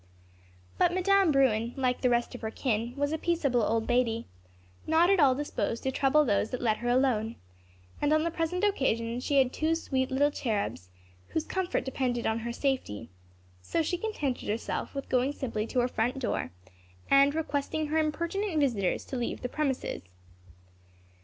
But Madame Bruin, like the rest of her kin, was a peaceable old lady, not at all disposed to trouble those that let her alone, and on the present occasion she had two sweet little cherubs, whose comfort depended upon her safety; so she contented herself with going simply to her front door, and requesting her impertinent visitors to leave the premises.